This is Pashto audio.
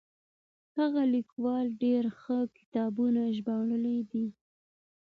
هغه ليکوال ډېر ښه کتابونه ژباړلي دي.